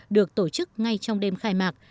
được tổ chức ngay trong đêm khai mạc